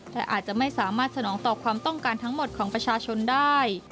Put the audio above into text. แต่อาจจะไม่สามารถสนองต่อความต้องการทั้งหมดของประชาชนได้